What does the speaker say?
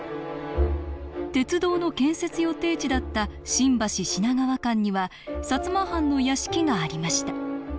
鉄道の建設予定地だった新橋品川間には薩摩藩の屋敷がありました。